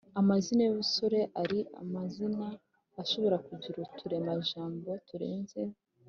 amazina y’urusobe ari amazina ashobora kugira uturemajambo turenze